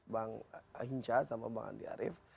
bang hinca sama bang andi arief